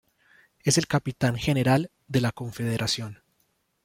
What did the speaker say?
Es el Capitán General de la Confederación.